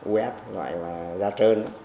uf gọi là gia trơn